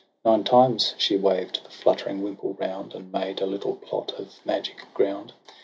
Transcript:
Nine times she waved the fluttering wimple round, And made a little plot of magic ground; TRISTRAM AND ISEULT.